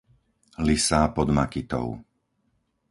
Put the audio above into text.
Lysá pod Makytou